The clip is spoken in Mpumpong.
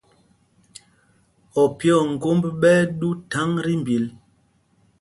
Opyē o ŋgómb ɓɛ́ ɛ́ ɗū thaŋ tí mbil.